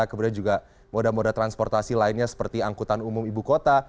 kemudian juga moda moda transportasi lainnya seperti angkutan umum ibu kota